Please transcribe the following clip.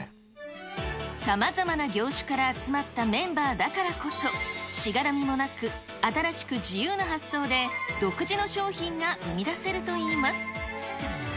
さまざまな業種から集まったメンバーだからこそ、しがらみもなく、新しく自由な発想で独自の商品が生み出せるといいます。